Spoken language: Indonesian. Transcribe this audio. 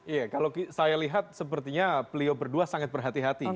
iya kalau saya lihat sepertinya beliau berdua sangat berhati hati